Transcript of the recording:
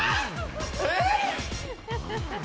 えっ？